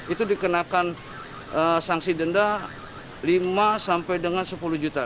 itu dikenakan sanksi denda lima sampai dengan sepuluh juta